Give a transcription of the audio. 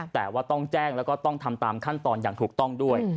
แต่ว่าต้องแจ้งแล้วก็ต้องทำตามขั้นตอนอย่างถูกต้องด้วย